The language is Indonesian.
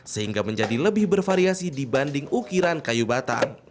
sehingga menjadi lebih bervariasi dibanding ukiran kayu batang